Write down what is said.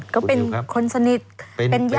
ก็เป็นคนสนิทเป็นญาติ